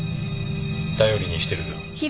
頼りにしてるぞ。